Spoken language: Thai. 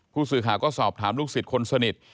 ผู้สื่อข่าวก็สอบถามลูกศิษย์คนสนิท